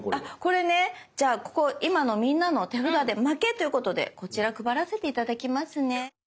これねじゃあここ今のみんなの手札で負けっていうことでこちら配らせて頂きますね。